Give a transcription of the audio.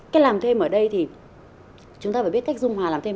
cái làm thêm ở đây thì chúng ta phải biết cách dung hòa làm thêm